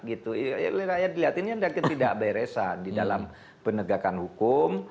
ini adalah ketidakberesan di dalam penegakan hukum